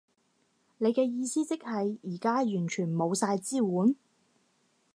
你嘅意思即係而家完全冇晒支援？